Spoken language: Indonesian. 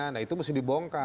nah itu mesti dibongkar